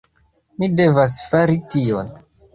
Mi devas fari tion.